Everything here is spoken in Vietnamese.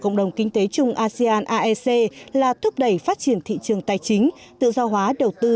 cộng đồng kinh tế chung asean aec là thúc đẩy phát triển thị trường tài chính tự do hóa đầu tư